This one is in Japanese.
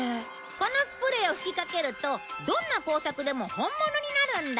このスプレーを吹きかけるとどんな工作でも本物になるんだ。